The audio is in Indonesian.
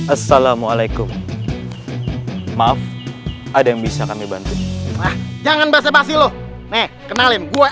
assalamualaikum maaf ada yang bisa kami bantu jangan basa basi lo nih kenalin gue